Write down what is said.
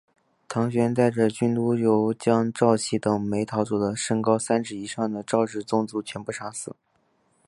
唐玹带着郡督邮将赵岐等没逃走的身高三尺以上的赵氏宗族全部杀死。